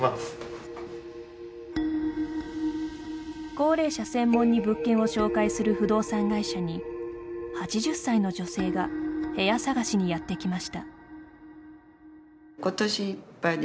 高齢者専門に物件を紹介する不動産会社に８０歳の女性が部屋探しにやってきました。